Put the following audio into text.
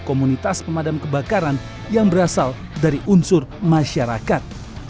komunitas pemadam kebakaran yang berasal dari unsur masyarakat